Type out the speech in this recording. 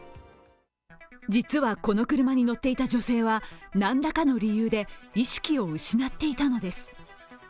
実は、この車に乗っていた女性は何らかの理由で意識を失っていたのです。